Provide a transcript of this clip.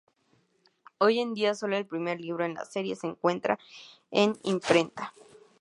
Hoy en día, sólo el primer libro en la serie se encuentra en imprenta.